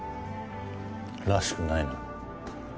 らしくないな。